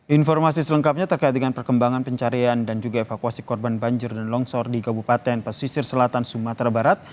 informasi selengkapnya terkait dengan perkembangan pencarian dan juga evakuasi korban banjir dan longsor di kabupaten pesisir selatan sumatera barat